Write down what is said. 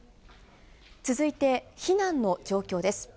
続いて、避難の状況です。